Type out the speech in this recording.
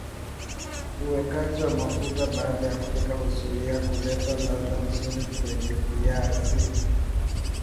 Uwekaji wa mafuta baada ya kupika huzuia huleta ladha nzuri kenye viazi